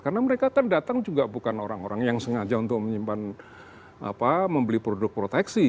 karena mereka kan datang juga bukan orang orang yang sengaja untuk menyimpan membeli produk proteksi